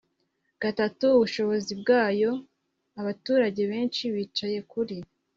gatatu ubushobozi bwayo. abaturage benshi bicaye kuri